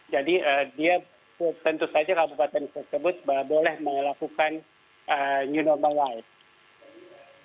dia tentu saja kabupaten tersebut boleh melakukan new normal life